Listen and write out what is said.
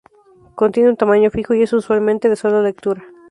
Contiene un tamaño fijo y es usualmente de solo-lectura.